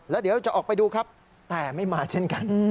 แล้วเดี๋ยวจะออกไปดูครับแต่ไม่มาเช่นกัน